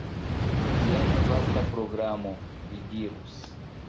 Jen vasta programo, vi dirus.